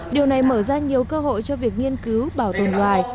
điều này mở ra nhiều cơ hội cho việc nghiên cứu bảo tồn loài